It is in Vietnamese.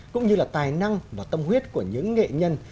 cũng như là tài năng và tâm huyết của những nghệ nhân